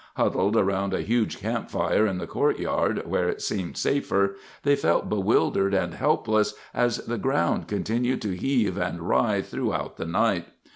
Huddled around a huge campfire in the courtyard, where it seemed safer, they felt bewildered and helpless as the ground continued to heave and writhe throughout the night.